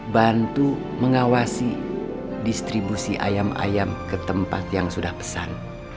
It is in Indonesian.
bantu mengawasi distribusi ayam ayam ke tempat yang sudah pesan